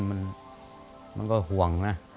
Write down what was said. มันก็ห่วงนะ